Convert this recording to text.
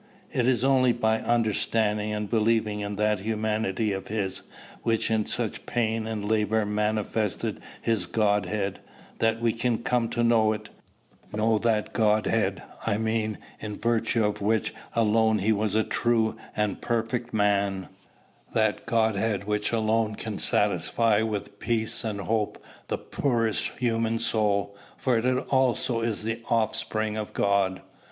It is only by understanding and believing in that humanity of his, which in such pain and labor manifested his Godhead, that we can come to know it, know that Godhead, I mean, in virtue of which alone he was a true and perfect man; that Godhead which alone can satisfy with peace and hope the poorest human soul, for it also is the offspring of God."